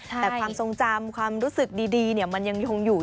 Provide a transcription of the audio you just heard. แต่ความทรงจำความรู้สึกดีมันยังคงอยู่